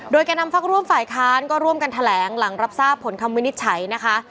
โดยแก่นำพักร่วมฝ่ายค้านก็ร่วมกันแถลงหลังรับทราบผลคำวินิจฉัยนะคะ